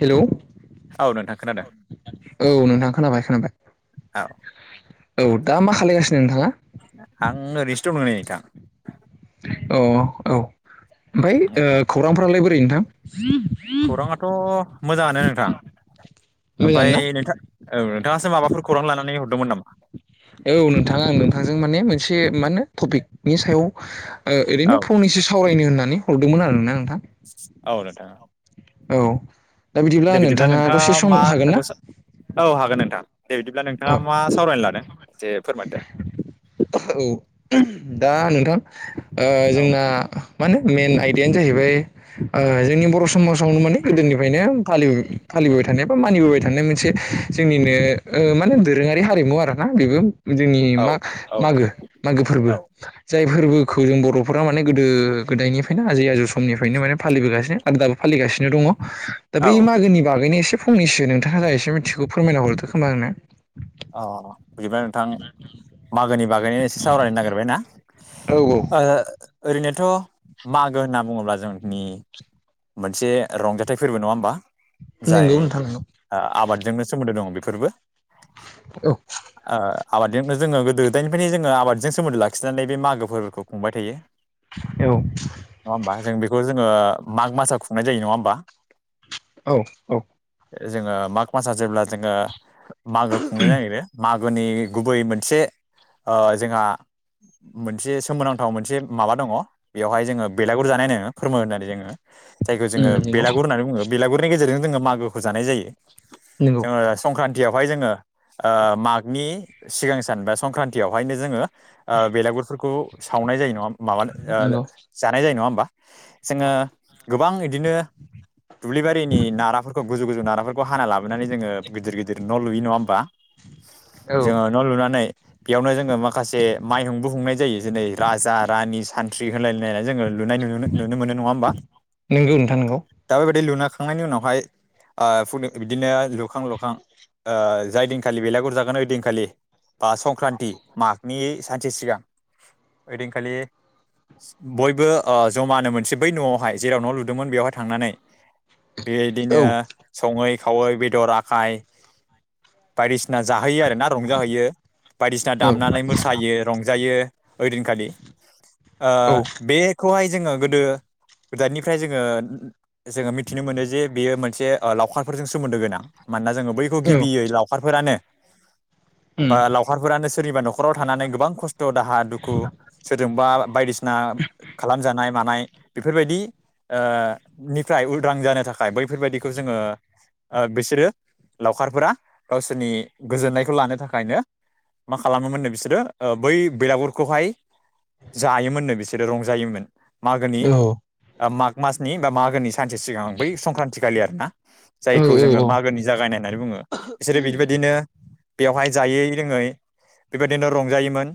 Hello नोंथां खोनादों औ नोंथाङा खोनाबाय खोनाबाय। औ औ दा मा खालायगासिनो नोंथाङा आं ओरैनोसो दङनै [unintelligible] औ औ ओमफ्राय खौरांफोरालाय बोरै नोंथां खौराङाथ' मोजाङानो नोंथां मोजाङानो ओमफ्राय ना नोंथां औ नोंथाङासो माबाफोर खौरां लानानै हरदोंमोन नामा औ नोंथाङा आं नोंथांजों माने मोनसे मा होनो टपिकनि सायाव औ ओरैनो फंनैसो सावरायनो होननानै हरदोंमोन आरा आं औ नोंथां। औ दा दे बिदिब्ला नोंथाङा दसे मा सम हागोन खोथाखौ ना। औ हागोन नोंथां दे बिदिब्ला नोंथाङा औ मा सावरायनो लादों एसे फोरमाय दे औ दा नोंथांओ औ जोंना माने मेन आयदायानो जाहैबाय जोंनि बर' समाजावनो माने गोदोनिफ्रायनो फालि फालिबाय थानाय बा मानिबोबाय थानाय मोनसे जोंनिनो ओ माने दोरोङारि हारिमु आरो ना बेबो जोंनि औ मा औ मागो मागो फोरबो औ जाय फोरबोखौ जों बर'फोरा माने गोदो गोदायनि खायनो आजै आजौ समनिफ्रायनो माने फालिबोगासिनो आरो दाबो फालिगासिनो दङ दा बै औ मागोनि बागैनो एसे फंनैसो नोंथां जा एसे मिथिगौ फोरमायना हरदो खोमा आंनो अ बिदिबा नोंथां मागोनि बागै एसे सावरायनो नागिरबाय ना। औ ओ ओरैनोथ' मागो होनना बुङोब्ला जोंनि मोनसे रंजाथाइ फोरबो नङा होमबा। जाय नंगौ नोंथां नंगौ आबादजोंनो सोमोन्दो दङ बेफोरबो औ। ओ आबादजोंनो जोङो गोदो गोदायनिफ्रायनो जोङो आबादजों सोमोन्दो लाखिनानै बे मागो फोरबोखो खुंबाय थायो। औ नङा होमबा जों बेखौ जोङो माग मासाव खुंनाय जायो नङा होमबा। औ औ। जोङो माग मासआ जेब्ला जोङो मागो खुंनो नागिरो मागोनि गुबै मोनसे ओ जोंहा मोनसे सोमोनांथाव मोनसे माबा दङ बेवहाय जोङो बेलागुर जानाय नो फोरमो होननानै जोङो जायखौ उम जोङो नंगौ बेलागुर होननानै बुङो बेलागुरनि गेजेरजों जोङो मागोखौ जानाय जायो। नंगौ जोङो संक्रान्तियावहाय जोङो ओ मागनि सिगां सान बा संक्रान्तियावहायनो जोङो ओ बेलागुरफोरखौ सावनाय जायो नङा ओम माबानो ओ नंगौ जानाय जायो नङा होमबा जोङो गोबां बिदिनो दुब्लिबारिनि नाराफोरखौ गोजौ गुजौ नाराफोरखौ हाना लाबोनानै जोङो गिदिर गिदिर न' लुयो नङा होमबा [inaudible] जोङो न' लुनानै बेयावनो जोङो माखासे माइहुंबो हुंनाय जायो जेरै राजा रानि सानथ्रि होनलायलायना जोंओ लुनाय नु नुनो मोनो नङा होनबा नंगौ नोंथां नंगौ दा बेबायदि लु खांनायनि उनावहाय ओ फु बिदिनो लुखां लुखां ओ जाय दिं खालि बेलागुर जागोन ओइदिनखालि बा संक्रान्ति मागनि सानसे सिगां ऐदिन‌खालि बयबो ओ जमानो मोनसे बै न'आवहाय जेराव न' लुदोंमोन बेवहाय थांनानै औ बेदिनो सङै खावै बेदर आखाय बायदिसि ना जाहोयो आरोना रंजाहैयो बायदिसिना औ दामनानै मोसायो रंजायो ओइदिनखालि ओ औ बेखौहाय जोङो गोदो दायनिफ्राय जोङो जोङो मिथिनो मोनो जे बेयो मोनसे लावखारफोरजों सोमोन्दो गोनां मा जोङो बैखौ गिबियै लावखारफोरानो [inaudible] बा लावखारफोरानो सोरनिबा न'खराव थानानै गोबां खस्थ' दाहा दुखु सोरजोंबा बायदिसिना खालामजानाय मानाय बेफोरबायदि ओ निफ्राय उदां जानो थाखाय बैफोरबायदिखौ जोङो ओ बिसोरो लावखारफोरा गावसोरनि गोजोननायखौ लानो थाखायनो मा खालामोमोननो बिसोरो ओ बै बेलागुरखौहाय जायोमोननो बिसोरो रंजायोमोन। मागोनि औ माग मासनि बा मागोनि सानसे सिगां बै संक्रान्तिखालि आरोना। औ जायखौ जोङो नंगौ मागोनि जागायनाय होननानै बुङो बिसोरो बिदिबायदिनो बेवहाय जायै रोङै बेबायदिनो रंजायोमोन।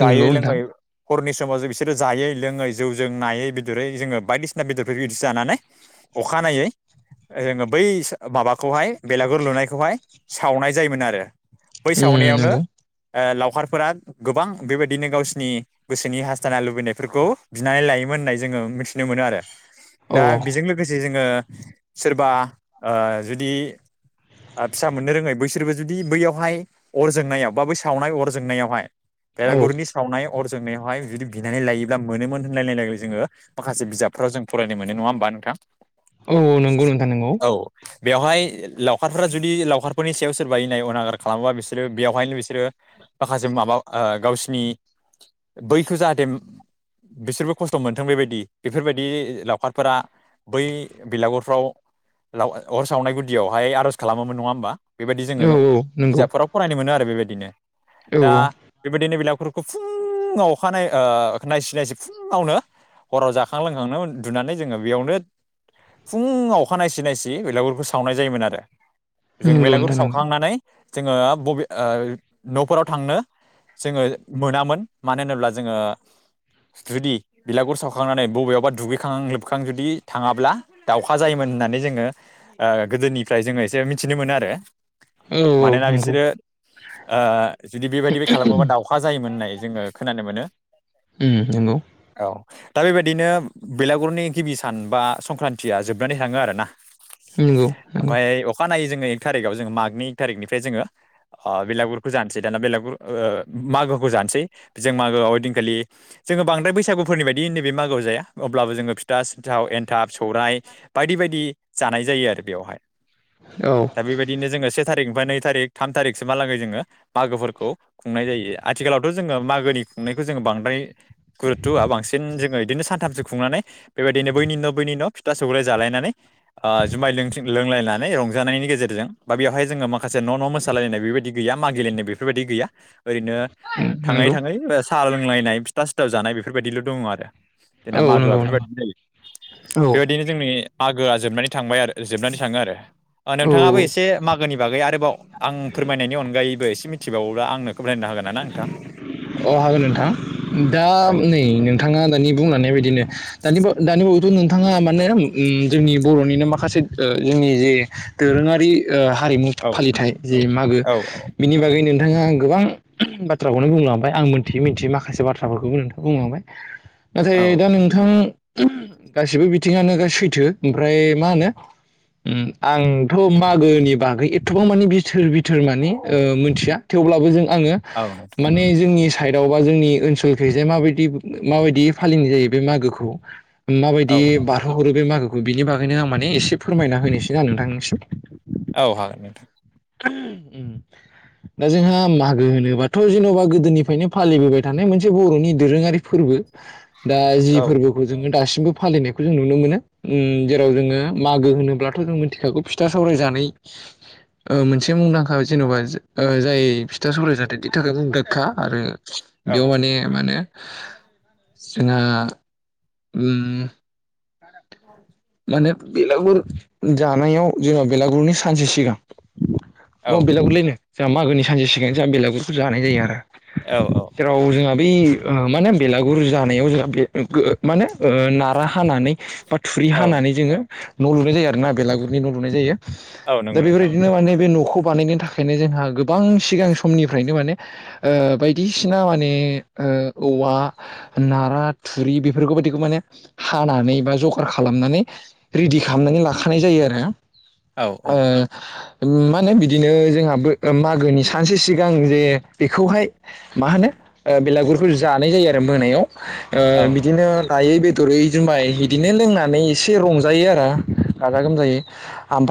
जायै नोंथां लोंयै हरनि समाव जो बिसोरो जायै लोङै जौ जों नायै बेदरै जोङो बायदिसिना बेदरफोर बिदि जानानै अखानायै जोङो बै माबाखौहाय बेलागुर लुनाय खौ हाय सावनाय जायोमोन आरो बै उम सावनायावनो नंगौ ओ खारफोरा गोबां बेबायदिनो गावसिनि गोसोनि हासथाना लुबैनायफोरखौ बिनानै लायोमोन होननाय जों ओ मिथिनो मोनो आरो। अ दा बेजों लोगोसे जोङो सोरबा ओ जुदि ओ फिसा मोननो रोङै बैसोरबो जुदि बैयावहाय अर जोंनायाव बा बै सावनाय अर जोंनायावहाय औ बेलागुरनि सावनायाव अर जोंनायावहाय जुदि बिनानै लायोब्ला मोनोमोन होनलायनायलायाय जोङो माखासे बिजाबफ्राव जों फरायनो मोन नङा होमबा। नोंथां औ नंगौ नोंथां नंगौ औ बेवहाय लावखारफोरा जुदि लावखारफोरनि सायाव सोर बानाय अनागार खालामोबा बिसोरो बेवहायनो बिसोरो माखासे माबा ओ गावसिनि बैखौ जाहाथे बिसोरबो खस्थ' मोनथों बेबायदि बेफोरबायदि लावखारफोरा बै बिलागुरफ्राव अर सावनाय गुदियावहाय आरज खालामोमोन नङा होमबा बेबायदि जोङो औ औ नंगौ बिजाबफोराव फरायनो मोनो आरो बेबायदिनो औ दा बेबायदिनो बेलागुर फुङाव अखानाय ओ नायसि नायसि फुङावनो हराव जाखां लोंखांनो उन्दुनानै जोङो बेयावनो फुं अखा नायसि नायसे बेलागुरखौ सावनाय जायोमोन आरो जों नंगौ बेलागुरि नोंथां नंगौ सावखांनानै जोङो बबे न'फोराव थांनो जोङो मोनामोन मानो होनोब्ला जोङो जुदि बिलागुर सावखांनानै बबेयावबा दुगैखां लोबखां जुदि थाङाब्ला दाउखा जायोमोन होननानै जोङो गोदोनिफ्राय जोङो एसे मिथिनो मोनो आरो औ औ मानोना नंगौ बिसोरो ओ जुदि बेबायदि खालामोबा दाावखा जायोमोन होननाय जोङो खोनानो मोनो उम नंगौ औ दा बेबायदिनो बेलागुरनि गिबि सान बा संक्रान्तिया जोबनानै थाङो आरोना नंगौ नोंंगौ खानायो जोङो थारिखआव जों मागनिक तारिखनिफ्राय जोङो ओ बेलागुरखौ जानोसै दाना बेलागुर ओ मागोखौ जानोसै जों मागोआव हैदिनखालि जोङो बांद्रायराय बैसागुनि बायदि नैबे मागोआव जाया अब्लाबो जोङो फिथा सिन्थाव एन्थाब सौरायाइ बायदि बायदि बायदि औ दा बेबायदिनो जोङो से थारिक बा नै थारिख थाम थारिखसोहालागै जोङो मागोफोरखौ खुंनाय जायो आथिालावथ' जोङो मागोनि खुंनायखौ जोङो बांद्रायर गुरुथ'होआ बांसिन जोङो बिदिनो सानथामसो खुंनानै बेबायदिनो बैनि न' बैनि न' न फिथा सौराय जालायनानै जुमलनानै जानायनि गेजेरजों बा बेवहाय जोङो माखासे न' न' मोसालायनाय बेबायदि गैया मागिलेनाय बेफोरबायदि गैया ओरैनो थाङै नंगौ थाङै साहा लोंलायनाय फिथा सिथाव जानाय बेफोरबायदिल' दङ आरो जोंना औ मागोआ नंगौ बेफोरबायदिनो जायो नंगौ औ बेबायदिनो जोंनि मो गोआ जोबनानै थांबाय आरो जोबनानै थाङो आरो ओ औ नोंथाङाबो औ एसे मागोनि बागै आरोबाव आं फोरमायनायनि अनगायैबो एसे मिथिबावोब्ला आंनो हागोना नोंथां अ हागोन नोंथां दा औ नै नोंथाङा दानि बुंलांनाय बदिनो दानि दानि नोंथाङा माने जोंनि बर'निनो माखासे जोंनि जे दोरोङारि ओ हारिमु औ फालिथाय जे मागो औ बिनि बागै नोंथाङा गोबां बाथ्राखौनो बुंलांबाय आं मिथियै मिथियै माखासे बाथ्राफोरखौबो नोंथाङा बुंलांबाय नाथाय औ दा नोंथां गासिबो बिथिङानो दा सैथो ओमफ्राय मा होनो आंथ' मागोनि बागै एथ'बां मानि बिथोर बिथो र माने ओ मोनथिआ थेवब्लाबो जों औ नोंथां आङो साइदआव बा जोंनि ओनसोलखै जे माबायदि माबायदि फालिनाय जायो बे मागोखौ औ माबायदि औ बारहोहरो बे मागोखौ बिनि बागैनो आं माने एसे फोरमायना होनोसै आं नोंथांनिसिम औ हागोन [unintelligible] दा जोंहा मागो होनोबाथ' जेन'बा गोदोनिफ्रायनो फालिबोबाय थानाय मोनसे बर'नि दोरोङारि फोरबो दा जि औ औ फोरबोखौ जोङो दासिमबो फालिनायखौ जों नुनो मोनो ओम जेराव जोङो मागो होनोब्लाथ' जों मिथिखागौ फिथा सौराय जानाय [inaudible] ओ मोनसे मुंदांखा जेन'बा ओ जाय फिथा सौराय जानायनि थाखाय मुंदांखा आरो औ बेयाव माने माने जोंहा उम माने बेलागुर जानायाव जेनेबा बेलागुरनि सानसे सिगां औ न' बेलागुरलायनो जोंहा मागोनि सानसे सिगां जोंहा बेलागुरफोर जानाय जायो आरो। औ औ जेराव जोंहा बै ओ माने बेलागुर जानायाव जोंहा बे गो माने ओ नारा हानानै बा थुरि हानानै जोङो न' लुनाय जायो आरोना बेलागुरनि न' लुनाय जायो औ दा नंगौ नोंथां बेबायदिनो माने बे न'खौ बानायनो थाखायनो जोंहा गोबां सिगां समनिफ्रायनो माने ओ बायदिसिना माने ओ औवा, नारा, थुरि बेफोरखौ दिखौ माने हानानै बा जगार खालामनानै रेडि खालामनानै लाखानाय जायो आरो औ औ ओ ओम मा होनो बिदिनो जोंहाबो मागोनि सानसे सिगां जे बेखौहाय मा होनो ओ बेलागुरखौ जानाय जायो आरो मोनायाव ओ औ बिदिनो नायै बेदरै जुमाय बिदिनो लोंनानै एसे रंजायो आरो गाजा-गोमजायै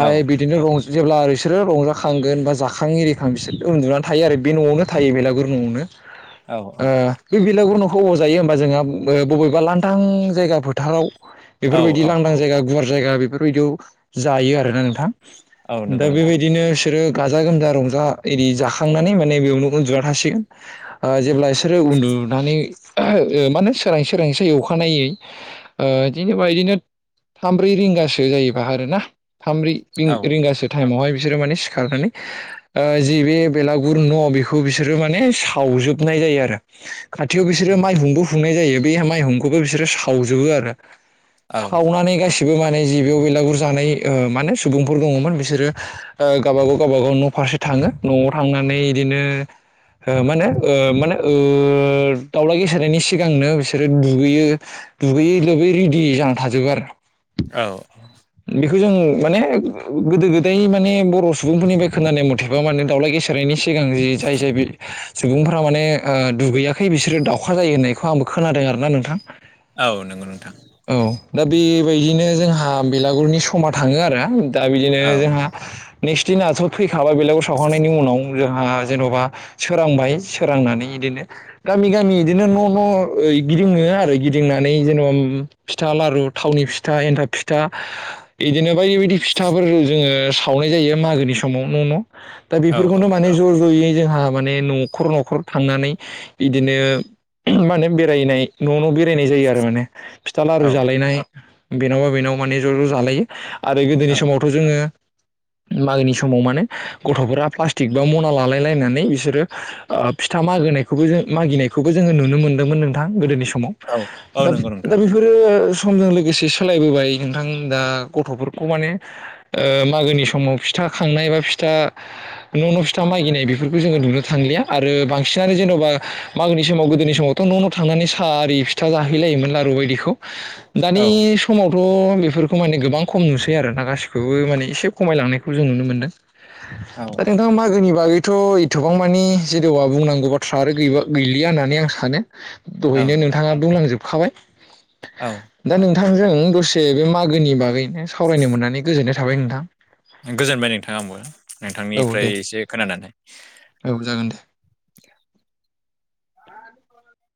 औ बिदिनो रं जेब्ला बिसोरो रंजाखांगोन बा जाखां एरिखां बिसोर उन्दुनानै थायो आरो बे न'आवनो थायो बेलागुर न'आवनो औ आ बि बि लागुर न'खौ अबाव जायो होमबा जोंहा बबेबा लांदां जायगा फोथाराव औ बेफोरबायदि लांदां जायगा गुवार जायगा बेफोरबायदियाव जायो आरोना नोंथां दा औ नंगौ नोंथां बेबायदिनो बिसोरो गाजा-गोमजा रंजा एरि जाखांनानै माने बेयावनो उनदुना थासिगोन ओ जेब्ला बि सोरो उन्दुनानै ओ माहोनो सोरां सोरांसि अखानायै ओ बिदिनो बादिनो थामब्रै रिंगासो जायोबा आरो ना थाम ब्रै औ रिं-रिंगासो टाइमावहाय बिसोरो माने सिखारनानै ओ जि बे बेलागुर न' बेखौ बिसोरो माने सावजोबनाय जायो आरो खाथियाव औ बिसोरो माइहुंबो खुंनाय जायो बे माइहुंखौबो बिसोरो सावजोबो आरो औ सावनानै गासि बो माने जि बेयाव बेलागुर जानाय माने सुबुंफोर दङमोन बिसोरो ओ गावबा गाव गावबा गाव न' फा फारसे थाङो न'आव थांनानै बिदिनो ओ मा होनो ओ मा होनो ओ दावला गेसेरनायनि सिगांनो बिसोरो दुगैयो दुगैयै लोबै रेडि जाना थाजोबो आरो औ बेखौ जों माने गोदो गोदाय माने बर' सुबुंफोरनिफ्राय खोनानाय मथेबा माने दाउलाय गेसेेरनायनि सिगां जि जाय जाय बे सुबुंफोरा माने ओ दुगैयाखै बिसोरो दाउखा जायो होननायखौ आंबो खोनादों आरोना नोंथां औ नंगौ नोंथां औ दा बेबायदिनो जोंहा बेलागुरनि समा थाङो आरो दा बिदिनो औ जोंहा नेक्स्ट दिनाथ' फैखाबाय बेलागुर सावखांनायनि उनाव जोंहा जेन'बा सोरांबाय सोरांनानै इदिनो गामि गामि इदिनो न' न' ओ गिदिङो आरो गिदिंनानै जेनेबा ओम फिथा, लारु, थावनि फिथा, एन्थाब फिथा बिदिनो बायदि बायदि फिथाफोर जोङो सावनाय जायो मागोनि समाव न' न'। दा औ बेफोरखौनो माने ज' ज'यै जोंहा माने न'खर न'खर थांनानै बिदिनो मा होनो बेरायनाय न' न' बे रायनाय जायो आरो माने फिथा लारु जालायनाय बेनावबा बेनावा माने ज' ज' जालायो आरो गोदोनि समावथ' जोङो मागोनि समाव माने गथ'फोरा प्लास्टिक बा मना लालाय लायनानै बिसोरो ओ फिथा मागो मागिनायखौबो जो नुनो मोनदोंमोन नोंथां गोदोनि सम औ औ दा नंगौ नोंथां बेफोरो समजों लोगोसे सोलायबोबाय नोंथां दा गथ'फोरखौ माने मागोनि समाव फिथा फिथा खांनाय बा फिथा न' न' फिथा मागिनाय बेफोरखौ जोङो नुनो थांलिया आरो बांसिनानो जेने'बा मागोनि समाव गोदोनि समावथ' न' न' थांनानै सारि फिथा जाहैलायोमोन आरो बेदिखौ दानि औ समाव थ' बेफोरखौ माने गोबां खम नुसै आरो [unintelligible] गासिखौबो माने एसे खमायलांनायखौ जों नुनो मोन्दों। औ दा नोंथाङा मागोनि बागै थ' एथबां मानि जेनबा बुंनांगौ बाथ्रा आरो गैबा गैलिया होननानै आं सानो। औ दहैनो नोंथाङा बुंलांजोबखाबाय। औ। दा नोंथांजों दसे बे मागोनि बागैनो सावरायनो मोननानै गोजोननाय थाबाय नोंथां। गोजोनबाय नोंथां आंबो औ नोंथांनिफ्राय दे एसे खोनानानै। औ जागोन दे [unintelligible]